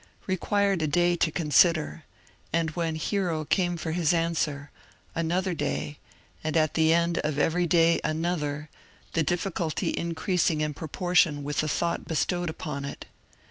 " required a day to consider ; and when Hiero came for his answer, another day, and at the end of every day another, the difficulty increasing in proportion with the thought bestowed upon it.